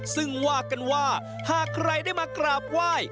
ซึ่งว่ากันว่าหากใครได้มากราบไหว้